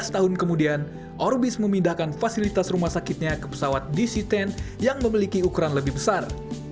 tujuh belas tahun kemudian orbis memindahkan fasilitas rumah sakitnya ke pesawat dc sepuluh yang memiliki ukuran lebih besar